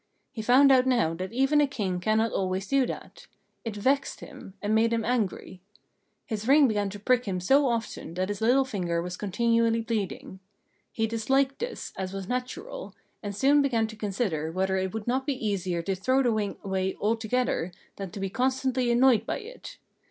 He found out now that even a King cannot always do that; it vexed him, and made him angry. His ring began to prick him so often that his little finger was continually bleeding. He disliked this, as was natural, and soon began to consider whether it would not be easier to throw the ring away altogether than to be constantly annoyed by it.